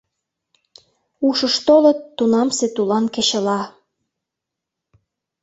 Ушыш толыт тунамсе тулан кечыла.